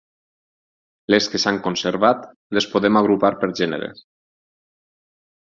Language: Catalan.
Les que s'han conservat les podem agrupar per gèneres.